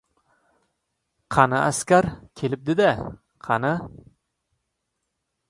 — Qani, askar kelibdi-da, qani...